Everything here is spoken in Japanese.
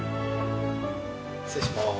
失礼します。